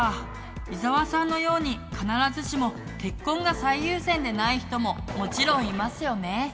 伊沢さんのように必ずしも結婚が最優先でない人ももちろんいますよね。